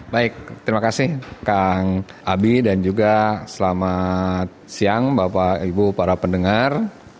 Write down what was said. baik terima kasih kang abi dan juga selamat siang bapak ibu para pendengar